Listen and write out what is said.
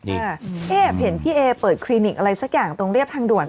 เอ๊ะเห็นพี่เอเปิดคลินิกอะไรสักอย่างตรงเรียบทางด่วน